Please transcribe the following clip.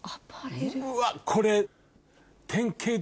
うわっこれ。